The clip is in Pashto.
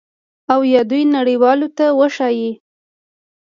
او یا دوی نړیوالو ته وښایي